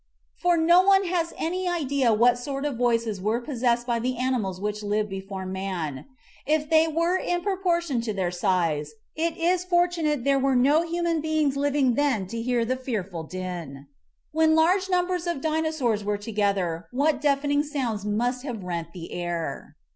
For no one has any idea what sort of voices were possessed by the animals which lived before man. If they were in proportion to their size, it is fortunate there were no human beings living then to hear the fearful din. When large numbers of Dinosaurs were together what deafening sounds must have rent the air.